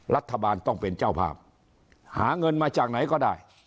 รัฐบาลต้องเป็นเจ้าภาพหาเงินมาจากไหนก็ได้